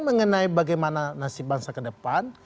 mengenai bagaimana nasib bangsa kedepan